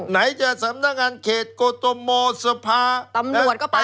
ไหนจะสำนักงานเขตกตมสภาตำรวจก็ไป